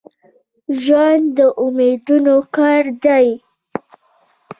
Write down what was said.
ژوند د امیدونو کور دي.